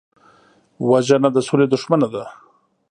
وژنه د سولې دښمنه ده